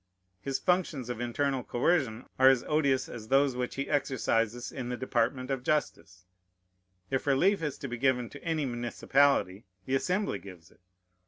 His functions of internal coercion are as odious as those which he exercises in the department of justice. If relief is to be given to any municipality, the Assembly gives it.